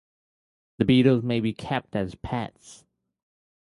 The beetles may be kept as pets.